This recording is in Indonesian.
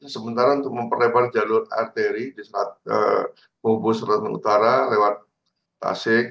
sementara untuk memperlebar jalur arteri di bumbu selatan utara lewat tasik